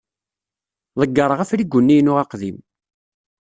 Ḍeqqreɣ afrigu-nni-inu aqdim.